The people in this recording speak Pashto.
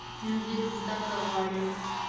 موزیک زدهکړه غواړي.